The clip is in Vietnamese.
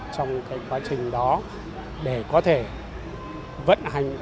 trong quá trình đó để có thể vận hành